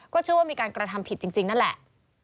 เชื่อว่ามีการกระทำผิดจริงนั่นแหละ